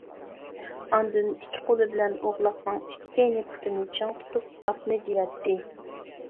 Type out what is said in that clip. ئاندىن ئىككى قولى بىلەن ئوغلاقنىڭ ئىككى كەينى پۇتىنى چىڭ تۇتۇپ ئاتنى دېۋىتتى.